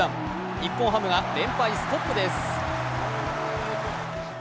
日本ハムが連敗ストップです。